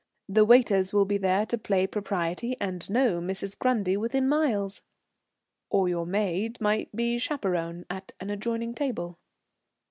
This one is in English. "The waiters will be there to play propriety, and no Mrs. Grundy within miles." "Or your maid might be chaperon at an adjoining table."